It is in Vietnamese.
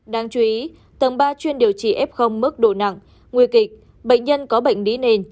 đáng chú ý tầng ba chuyên điều trị f mức độ nặng nguy kịch bệnh nhân có bệnh lý nền